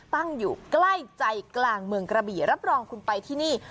ตั้งอยู่ใกล้ใจกลางเมืองกระบี่รับรองคุณไปที่นี่